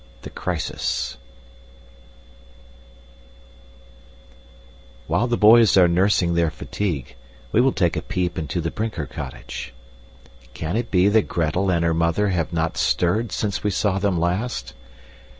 The Crisis While the boys are nursing their fatigue, we will take a peep into the Brinker cottage. Can it be that Gretel and her mother have not stirred since we saw them last?